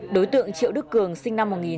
đối tượng triệu đức cường sinh nạn